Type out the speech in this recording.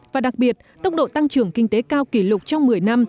và đặc biệt tốc độ tăng trưởng kinh tế cao kỷ lục trong một mươi năm